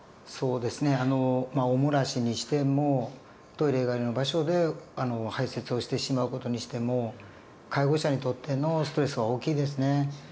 そうですねまあお漏らしにしてもトイレ以外の場所で排泄をしてしまう事にしても介護者にとってのストレスは大きいですね。